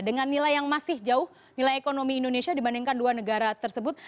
dengan nilai yang masih jauh nilai ekonomi indonesia dibandingkan dua negara tersebut